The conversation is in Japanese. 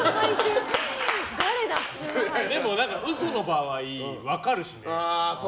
でも嘘の場合、分かるしね。